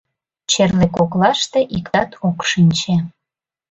Черле коклаште иктат ок шинче.